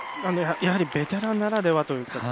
ベテランならではという。